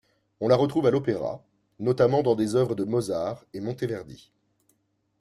On la retrouve à l'opéra, notamment dans des œuvres de Mozart et Monteverdi.